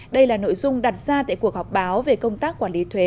đây là nội dung đặt ra tại cuộc họp báo về công tác quản lý thuế